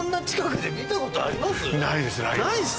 ないです。